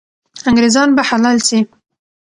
انګریزان به حلال سي.